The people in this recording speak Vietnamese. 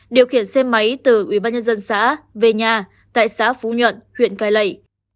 điều khiển xe máy từ ubnd xã về nhà tại xã phú nhuận huyện cài lẩy